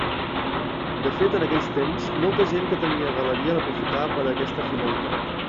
De fet en aquells temps molta gent que tenia galeria l'aprofitava per a aquesta finalitat.